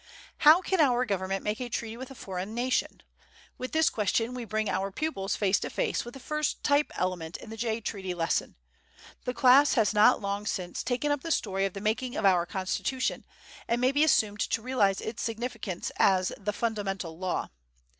How can our government make a treaty with a foreign nation? With this question we bring our pupils face to face with the first type element in the Jay Treaty lesson. The class has not long since taken up the story of the making of our Constitution, and may be assumed to realize its significance as the "fundamental law."